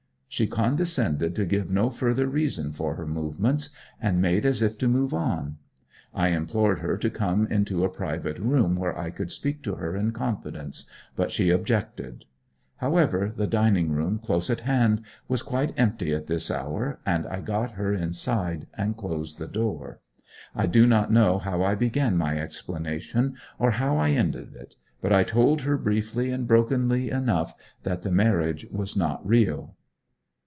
She condescended to give no further reason for her movements, and made as if to move on. I implored her to come into a private room where I could speak to her in confidence, but she objected. However, the dining room, close at hand, was quite empty at this hour, and I got her inside and closed the door. I do not know how I began my explanation, or how I ended it, but I told her briefly and brokenly enough that the marriage was not real.